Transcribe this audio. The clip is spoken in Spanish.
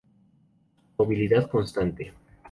Movilidad constante.